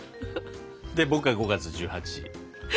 で僕が５月１８。